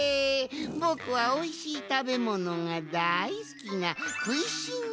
ぼくはおいしいたべものがだいすきなくいしんぼう宝箱。